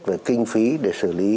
và kinh phí để xử lý